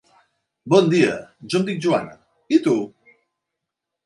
Bon dia, jo em dic Joana; i tu?